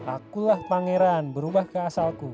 akulah pangeran berubah ke asalku